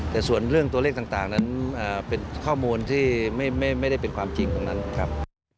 แต่ส่วนเรื่องตัวเลขต่างนั้นเป็นข้อมูลที่ไม่ได้เป็นความจริงตรงนั้นครับ